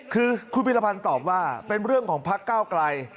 คือคุณพิรพันธ์ตอบว่าเป็นเรื่องของพักเก้าไกล